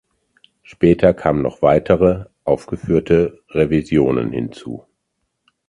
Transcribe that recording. Später kamen noch weitere (aufgeführte) Revisionen hinzu.